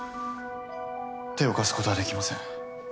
手を貸すことはできません。